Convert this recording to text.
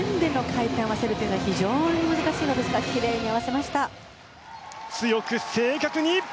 この円での回転を合わせるのは非常に難しいんですが強く正確に！